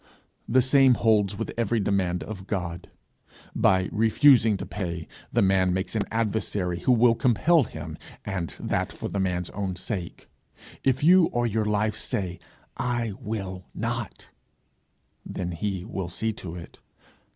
The same holds with every demand of God: by refusing to pay, the man makes an adversary who will compel him and that for the man's own sake. If you or your life say, 'I will not,' then he will see to it.